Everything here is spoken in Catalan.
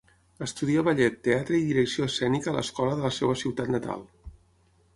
Estudià ballet, teatre i direcció escènica a l'escola de la seva ciutat natal.